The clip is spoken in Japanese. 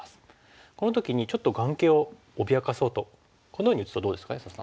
この時にちょっと眼形を脅かそうとこのように打つとどうですか安田さん。